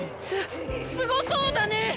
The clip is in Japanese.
すすごそうだね！